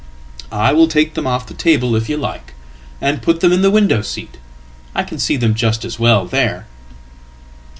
""I will take them off the table if you like, and put them in thewindow seat. I can see them just as well there."